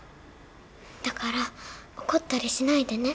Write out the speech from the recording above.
だから怒ったりしないでね